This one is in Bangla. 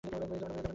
বাইরে যাবেন না!